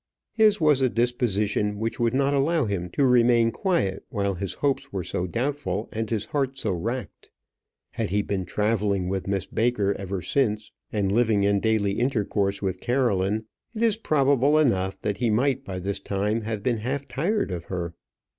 His was a disposition which would not allow him to remain quiet while his hopes were so doubtful and his heart so racked. Had he been travelling with Miss Baker ever since, and living in daily intercourse with Caroline, it is probable enough that he might by this time have been half tired of her.